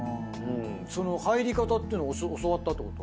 その入り方っていうの教わったってこと？